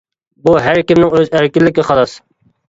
بۇ ھەر كىمنىڭ ئۆز ئەركىنلىكى خالاس.